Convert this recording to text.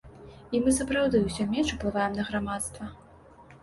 І мы сапраўды ўсё менш уплываем на грамадства.